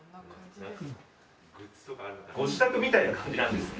ご自宅みたいな感じなんですね。